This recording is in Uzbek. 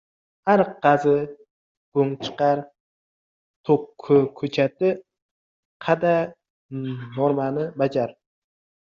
Ariq qazi, go‘ng chiqar, tok ko‘chati qada – normani bajar.